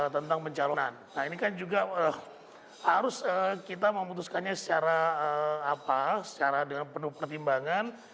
tentang pencalonan nah ini kan juga harus kita memutuskannya secara dengan penuh pertimbangan